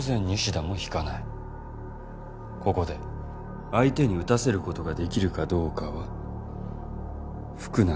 ここで相手に撃たせることができるかどうかは福永の腕しだいだな。